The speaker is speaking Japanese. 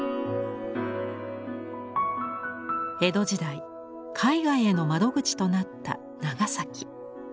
江戸時代海外への窓口となった長崎。